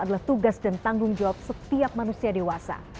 adalah tugas dan tanggung jawab setiap manusia dewasa